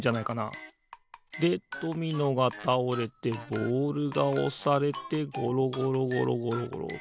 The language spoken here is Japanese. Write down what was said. でドミノがたおれてボールがおされてごろごろごろごろ。